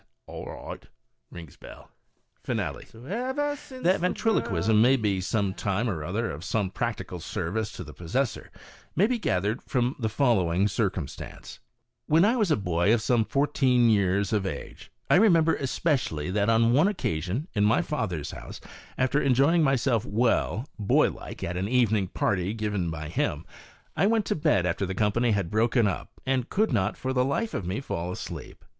Porter. "All right." (Rings bell.) Finale. — " So ever since the world began," &c That Ventriloquism may be some time or other of some prac tical service to the possessor may be gathered from the following circumstance : When I was a boy of some fourteen years of age, I remember especially that on one occasion, in my father's house, after enjoy ing myself well, boy like, at an evening party given by him, I went to bed after the company had broken up and could not, for the life of me, fall asleep.